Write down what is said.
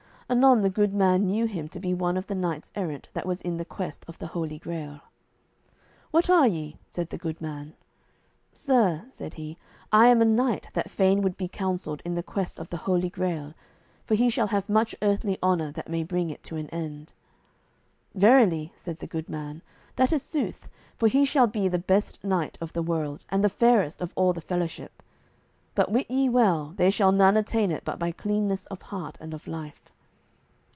Anon the good man knew him to be one of the knights errant that was in the quest of the Holy Grail. "What are ye?" said the good man. "Sir," said he, "I am a knight that fain would be counselled in the quest of the Holy Grail, for he shall have much earthly honour that may bring it to an end." "Verily," said the good man, "that is sooth, for he shall be the best knight of the world, and the fairest of all the fellowship. But wit ye well, there shall none attain it but by cleanness of heart and of life."